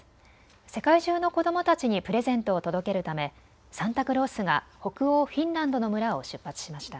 世界中の子どもたちにプレゼントを届けるためサンタクロースが北欧フィンランドの村を出発しました。